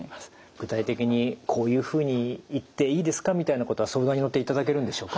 具体的にこういうふうに言っていいですかみたいなことは相談に乗っていただけるんでしょうか？